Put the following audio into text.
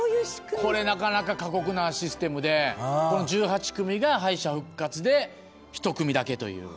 これ、なかなか過酷なシステムで、１８組が敗者復活で１組だけという。